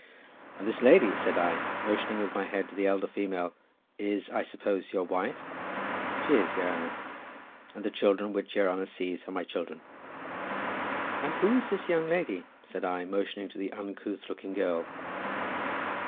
"And this lady," said I, motioning with my head to the elder female, "is, I suppose, your wife." "She is, your haner, and the children which your haner sees are my children." "And who is this young lady?" said I, motioning to the uncouth looking girl.